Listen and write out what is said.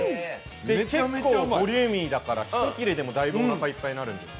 結構ボリューミーだから１きれでも大分おなかいっぱいになるんですよ。